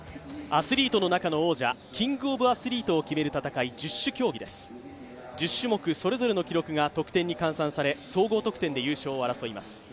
アスリートの中の王者キングオブアスリートを決める戦い、十種競技です、１０種目それぞれの得点が換算され総合得点で優勝を争います。